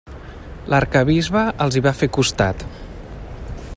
L'arquebisbe els hi va fer costat.